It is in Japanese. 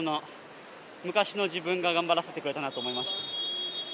昔の自分が頑張らせてくれたなと思いました。